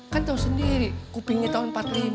kan tahu sendiri kupingnya tahun empat puluh lima